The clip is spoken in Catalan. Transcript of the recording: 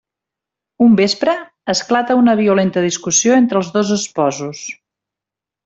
Un vespre, esclata una violenta discussió entre els dos esposos.